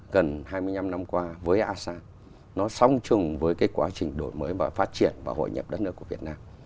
gần hai mươi năm năm qua với asean nó song trùng với cái quá trình đổi mới và phát triển và hội nhập đất nước của việt nam